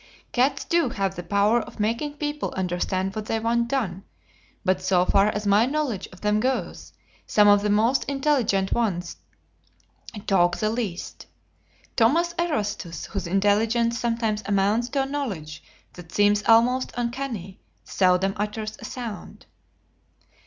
Cats do have the power of making people understand what they want done, but so far as my knowledge of them goes, some of the most intelligent ones "talk" the least. Thomas Erastus, whose intelligence sometimes amounts to a knowledge that seems almost uncanny, seldom utters a sound.